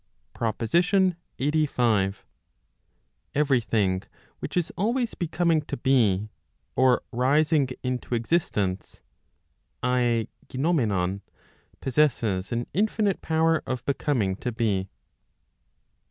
PROPOSITION LXXXV. Every thing which is always becoming to be, or rising into existence, {aei yivopevov) possesses an infinite power of becoming to be.